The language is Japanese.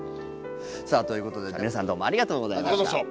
さあということで皆さんどうもありがとうございました。